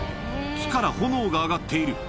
木から炎が上がっている。